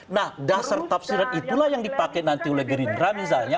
nah dasar tafsiran itulah yang dipakai nanti oleh gerindra misalnya